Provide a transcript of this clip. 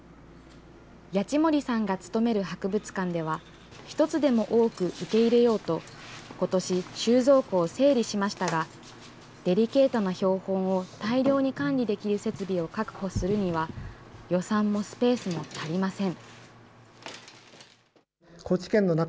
谷地森さんが勤める博物館では、一つでも多く受け入れようと、ことし、収蔵庫を整理しましたが、デリケートな標本を大量に管理できる設備を確保するには、予算もスペースも足りません。